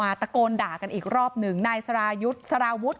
นายสาราวุธคนก่อเหตุอยู่ที่บ้านกับนางสาวสุกัญญาก็คือภรรยาเขาอะนะคะ